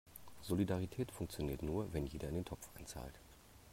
Solidarität funktioniert nur, wenn jeder in den Topf einzahlt.